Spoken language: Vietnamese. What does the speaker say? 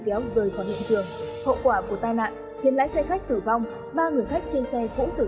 kéo rời khỏi hiện trường hậu quả của tai nạn khiến lái xe khách tử vong ba người khách trên xe cũng tử